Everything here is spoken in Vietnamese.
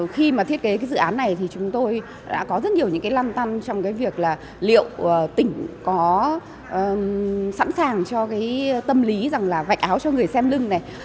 khi mà thiết kế cái dự án này thì chúng tôi đã có rất nhiều những cái lăn tăn trong cái việc là liệu tỉnh có sẵn sàng cho cái tâm lý rằng là vạch áo cho người xem lưng này